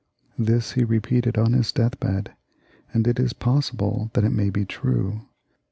This he repeated on his death bed, and it is possible that it may be true.